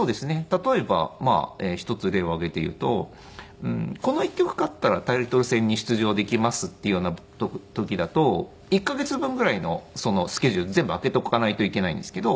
例えば一つ例を挙げて言うとこの１局勝ったらタイトル戦に出場できますっていうような時だと１カ月分ぐらいのスケジュール全部開けとかないといけないんですけど。